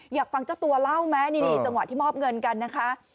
อยากฟังเจ้าตัวเล่าไหมนี่จังหวะที่มอบเงินกันนะคะ